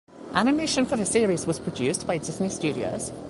Animation for the series was produced by Disney Studios.